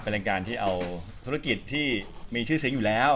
เป็นการที่เอาธุรกิจที่มีชื่อเสียงอยู่แล้ว